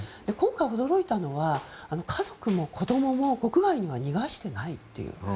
今回、驚いたのは家族も子どもも国外には逃がしていないと。